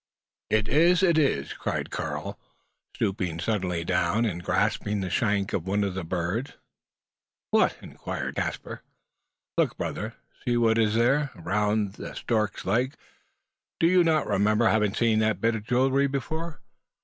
"It is! it is!" cried Karl, stooping suddenly down, and grasping the shank of one of the birds. "What?" inquired Caspar. "Look, brother! See what is there, round the stork's leg! Do you not remember having seen that bit of jewellery before?"